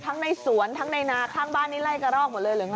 ในสวนทั้งในนาข้างบ้านนี่ไล่กระรอกหมดเลยหรือไง